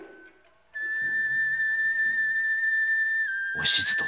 おしず殿。